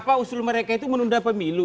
apa usul mereka itu menunda pemilu